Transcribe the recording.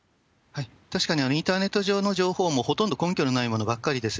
確かにインターネット上の情報も、ほとんど根拠のないものばっかりです。